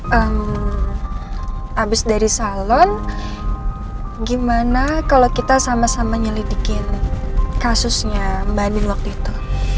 habis dari salon gimana kalau kita sama sama nyelidikin kasusnya mbak andin waktu itu